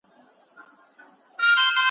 کوچۍ ښکلې به ور اخلي ,